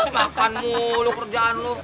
makan mulu kerjaan lu